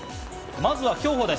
まずは競歩です。